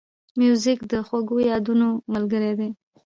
موزیک د خوږو یادونو ملګری دی.